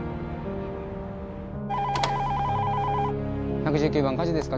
☎１１９番火事ですか？